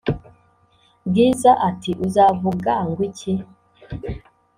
bwiza ati"uzavuga ngwiki?"